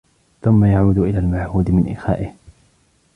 ثُمَّ يَعُودُ إلَى الْمَعْهُودِ مِنْ إخَائِهِ